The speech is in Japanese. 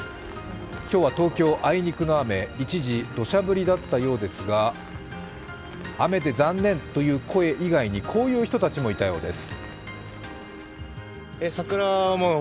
今日は東京、あいにくの雨、一時、どしゃ降りだったようですが雨で残念という声以外にこういう人たちもいたようです。